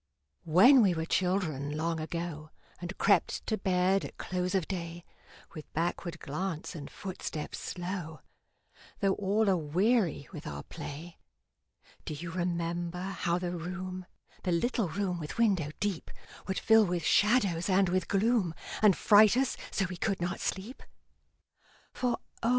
When we were children, long ago, And crept to bed at close of day, With backward glance and footstep slow, Though all aweary with our play, Do you remember how the room The little room with window deep Would fill with shadows and with gloom, And fright us so we could not sleep? For O!